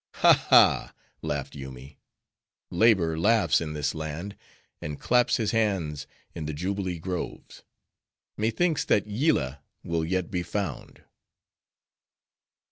"Ha, ha!" laughed Yoomy, "Labor laughs in this land; and claps his hands in the jubilee groves! methinks that Yillah will yet be found."